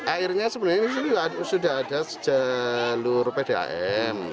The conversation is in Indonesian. airnya sebenarnya sudah ada sejauh pdam